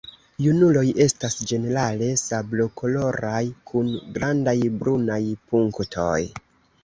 Junuloj estas ĝenerale sablokoloraj kun grandaj brunaj punktoj.